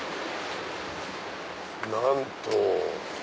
なんと。